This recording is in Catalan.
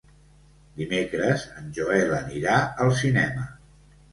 Dimecres en Joel anirà al cinema.